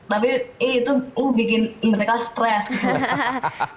tapi itu bikin mereka stres